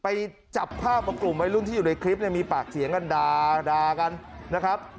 ไปจับภาพกลุ่มไว้รุ่นที่อยู่ในคลิปมีปากเสียงกันดากันนะครับ